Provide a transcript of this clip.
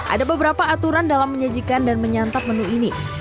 ada beberapa aturan dalam menyajikan dan menyantap menu ini